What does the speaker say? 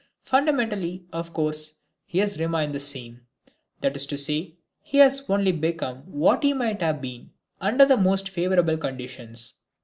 Fundamentally, of course, he has remained the same. That is to say, he has only become what he might have been under the most favorable conditions.